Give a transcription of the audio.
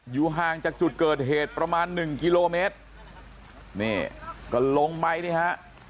อยู่ห่างจากจุดเกิดเหตุประมาณหนึ่งกิโลเมตรนี่ก็ลงไปนี่ฮะ